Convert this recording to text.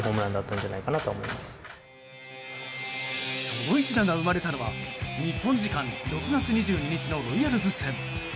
その一打が生まれたのは日本時間６月２２日のロイヤルズ戦。